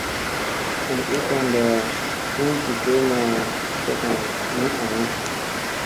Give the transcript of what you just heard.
An u tanda hin di boy ma kakŋa ha ni any.